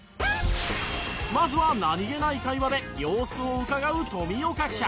まずは何げない会話で様子を伺う富岡記者。